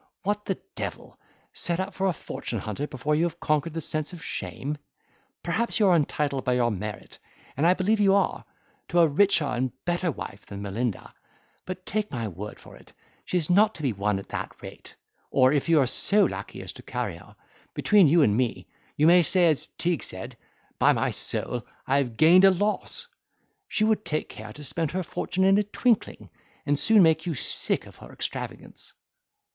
What the devil! set up for a fortune hunter before you have conquered the sense of shame! Perhaps you are entitled by your merit, and I believe you are, to a richer and a better wife than Melinda; but take my word for it, she is not to be won at that rate;—or, if you are so lucky as to carry her, between you and me, you may say, as Teague said, By my soul, I have gained a loss! She would take care to spend her fortune in a twinkling, and soon make you sick of her extravagance."